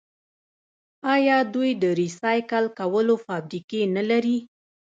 آیا دوی د ریسایکل کولو فابریکې نلري؟